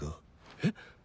えっ？